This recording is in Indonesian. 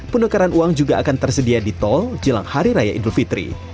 penukaran uang juga akan tersedia di tol jelang hari raya idul fitri